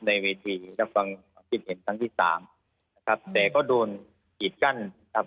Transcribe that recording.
ในเวทีรับฟังความคิดเห็นครั้งที่สามนะครับแต่ก็โดนกีดกั้นครับ